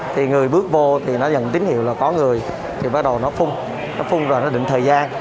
thì người bước vô thì nó dẫn tín hiệu là có người thì bắt đầu nó phun nó phun rồi nó định thời gian